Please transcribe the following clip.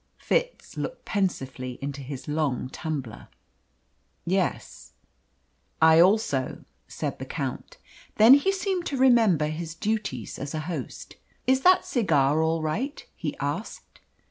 Fitz looked pensively into his long tumbler. "Yes." "I also," said the Count. Then he seemed to remember his duties as host. "Is that cigar all right?" he asked.